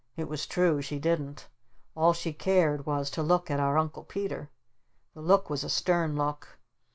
It was true. She didn't. All she cared was to look at our Uncle Peter. The look was a stern look.